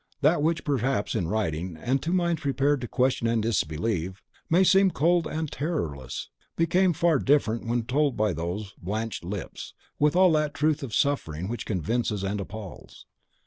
That which, perhaps, in writing, and to minds prepared to question and disbelieve, may seem cold and terrorless, became far different when told by those blanched lips, with all that truth of suffering which convinces and appalls.